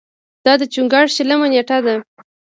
دا د چنګاښ شلمه نېټه ده.